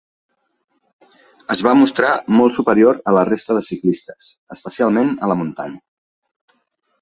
Es va mostrar molt superior a la resta de ciclistes, especialment a la muntanya.